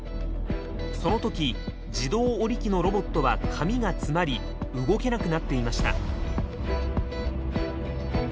その時自動折り機のロボットは紙が詰まり動けなくなっていました。